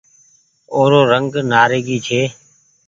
او رو رنگ نآريگي ڇي۔